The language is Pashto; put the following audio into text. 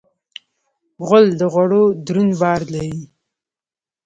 غول د غوړو دروند بار لري.